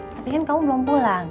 tapi kan kamu belum pulang